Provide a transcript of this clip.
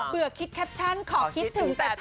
คิดแคปชั่นขอคิดถึงแต่เธอ